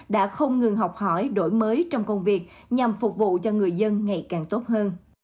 đã không ngừng học hỏi đổi mới trong công việc nhằm phục vụ cho người dân ngày càng tốt hơn